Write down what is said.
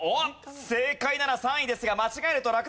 正解なら３位ですが間違えると落第圏内。